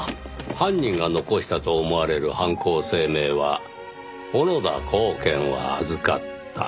犯人が残したと思われる犯行声明は「小野田公顕は預かった」。